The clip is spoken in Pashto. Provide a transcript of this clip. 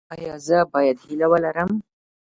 ایا زه باید هیله ولرم؟